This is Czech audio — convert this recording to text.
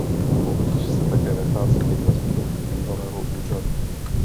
Poblíž se také nachází jedna z budov bývalého úřadu.